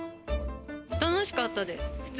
楽しかったです！